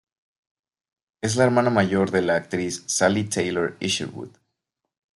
Es la hermana mayor de la actriz Sally Taylor-Isherwood.